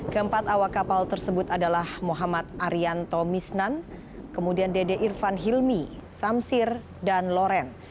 keempat awak kapal tersebut adalah muhammad arianto misnan kemudian dede irfan hilmi samsir dan loren